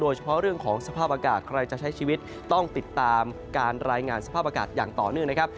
เฉพาะเรื่องของสภาพอากาศใครจะใช้ชีวิตต้องติดตามการรายงานสภาพอากาศอย่างต่อเนื่องนะครับ